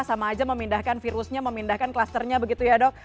sama aja memindahkan virusnya memindahkan klusternya begitu ya dok